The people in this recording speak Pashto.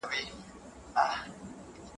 استازي د موکلينو غوښتنې حکومت ته رسوي.